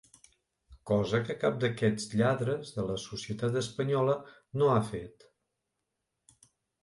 Cosa que cap d’aquests lladres de la societat espanyola no ha fet.